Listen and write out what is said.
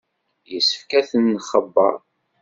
Yessefk ad ten-nxebbeṛ.